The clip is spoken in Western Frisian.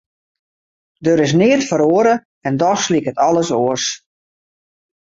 Der is neat feroare en dochs liket alles oars.